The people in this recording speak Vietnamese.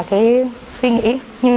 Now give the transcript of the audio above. cái suy nghĩ